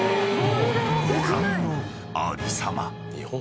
［ご覧のありさま］